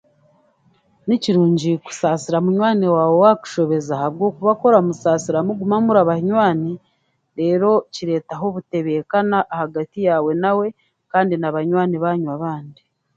Nikirungi kusasira munywaani waawe owa kushobeza ahabw'okuba oramusaasira muguma muri abanywaani reero kiretaho obutebekana ahagati yaawe nawe kandi n'abanywaani banyu abandi.